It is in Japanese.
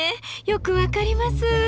よく分かります。